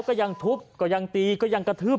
ก็ได้พลังเท่าไหร่ครับ